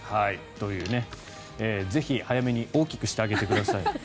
ぜひ、早めに大きくしてあげてください。